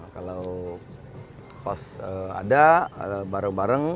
kalau pos ada bareng bareng